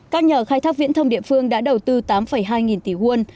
các nhà khai thác viễn thông địa phương đã đầu tư tám hai nghìn tỷ won